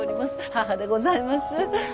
母でございます